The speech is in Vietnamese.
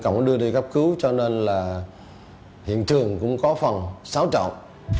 còn đưa đi cấp cứu cho nên là hiện trường cũng có phần xáo trọng